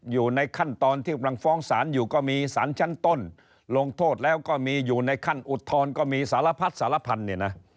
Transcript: อยู่ในขั้นตอนที่กำลังฟ้องศาลอยู่ก็มีสารชั้นต้นลงโทษแล้วก็มีอยู่ในขั้นอุทธรณ์ก็มีสารพัดสารพันธุ์เนี่ยนะ